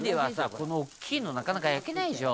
この大きいのなかなか焼けないでしょう」